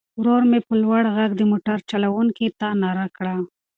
ورور مې په لوړ غږ د موټر چلوونکي ته ناره کړه.